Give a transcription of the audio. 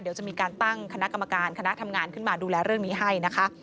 เดี๋ยวจะมีการตั้งคณะกรรมการคณะทำงานขึ้นมาดูแลเรื่องนี้ให้นะคะ